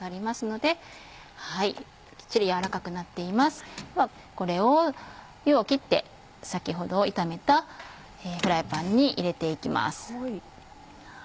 ではこれを湯を切って先ほど炒めたフライパンに入れて行きます。